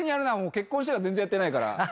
結婚してからやってないから。